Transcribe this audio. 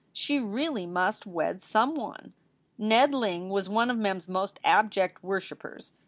She really must wed some one. Ned Ling was one of Mem s most abject worshipers.